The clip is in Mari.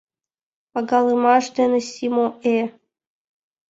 Пагалымаш дене Симо Э.